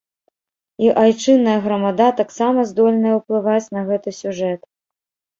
І айчынная грамада таксама здольная ўплываць на гэты сюжэт.